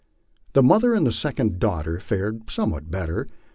The mother and second daughter fared somewhat better.